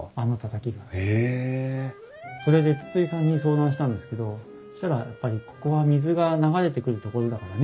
それで筒井さんに相談したんですけどそしたらやっぱり水が流れてくる？